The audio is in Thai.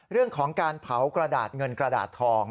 เรื่องของการเผากระดาษเงินกระดาษทอง